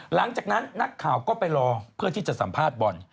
หลังจากนั้นนักข่าวก็ไปรอเพื่อที่จะสัมภาษณ์บอล